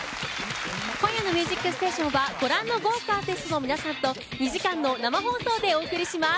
今夜の「ミュージックステーション」はご覧の豪華アーティストの皆さんと２時間の生放送でお送りします。